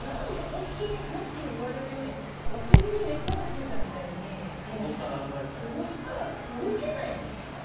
本当によく言われるようにお尻に根っこがついたみたいに動かなく動けないんですよね。